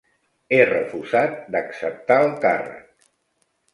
He refusat d'acceptar el càrrec.